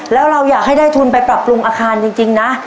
แล้วเราอยากให้ได้ทุนไปปรับปรุงอาคารจริงนะ